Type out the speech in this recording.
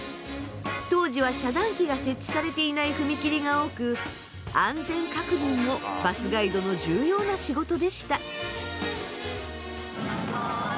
当時は遮断機が設置されていない踏切が多く安全確認もバスガイドの重要な仕事でした。